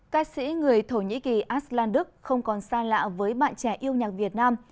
ca sĩ người thổ nhĩ kỳ aslan đức không còn xa lạ với bạn trẻ yêu nhạc việt nam